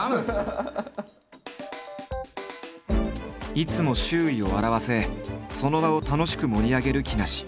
いつも周囲を笑わせその場を楽しく盛り上げる木梨。